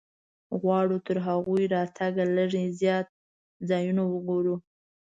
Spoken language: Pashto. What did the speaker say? غواړو تر هغوی راتګه لږ زیات ځایونه وګورو.